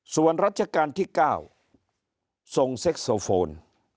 ส่วนรัชกาลที่๙ทรงเซ็กโซโฟน